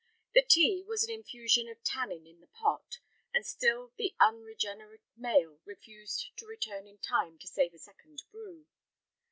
The tea was an infusion of tannin in the pot, and still the unregenerate male refused to return in time to save a second brew.